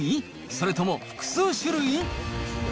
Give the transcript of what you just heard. それとも複数種類？